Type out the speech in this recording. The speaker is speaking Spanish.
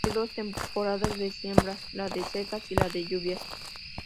Hay dos temporadas de siembras, la de secas y la de lluvias.